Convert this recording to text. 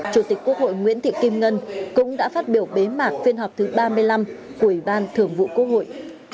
chủ tịch quốc hội nguyễn thị kim ngân cũng đã phát biểu bế mạc phiên họp thứ ba mươi năm của ủy ban thường vụ quốc hội